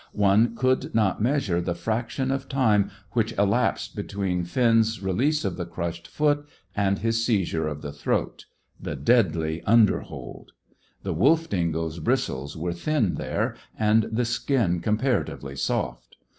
One could not measure the fraction of time which elapsed between Finn's release of the crushed foot and his seizure of the throat the deadly underhold. The wolf dingo's bristles were thin there, and the skin comparatively soft.